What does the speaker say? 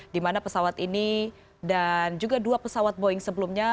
dimana pesawat ini dan juga dua pesawat boeing sebelumnya